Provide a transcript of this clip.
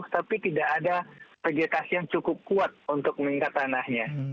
tapi tidak ada vegetasi yang cukup kuat untuk mengikat tanahnya